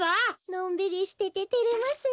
のんびりしてててれますねえ。